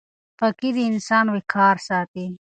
پاکي د انسان وقار ساتي.